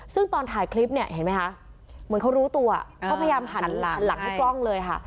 ซึ่งตอนถ่ายคลิปเนี่ยเห็นไหมคะเหมือนเขารู้ตัวเขาพยายามหันหลังให้กล้องเลยค่ะ